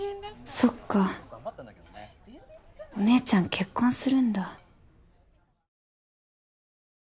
そっかお姉ちゃん結婚するんだ